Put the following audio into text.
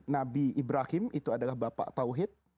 nabi ibrahim itu adalah bapak tauhid